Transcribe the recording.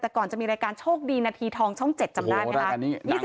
แต่ก่อนจะมีรายการโชคดีนาทีทองช่อง๗จำได้ไหมคะ